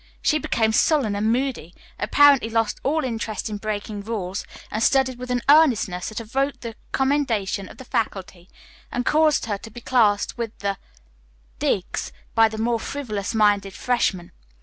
She became sullen and moody, apparently lost all interest in breaking rules and studied with an earnestness that evoked the commendation of the faculty, and caused her to be classed with the "digs" by the more frivolous minded freshmen.